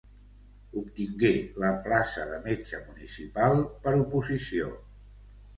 Obtingué la plaça de metge municipal, per oposició.